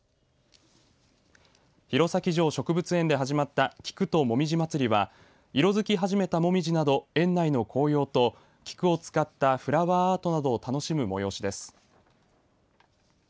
弘前城植物園で始まった菊と紅葉まつりは色づき始めた紅葉など園内の紅葉と菊を使ったフラワーアートなどを楽しむ催しです。